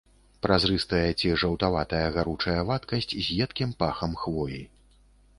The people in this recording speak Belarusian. Празрыстая ці жаўтаватая гаручая вадкасць з едкім пахам хвоі.